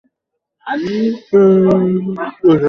কেন আমার নিকট লোক পাঠালে না, তাহলে তো আমি তোমার নিকট চলে আসতাম?